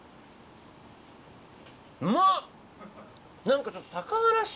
うまっ！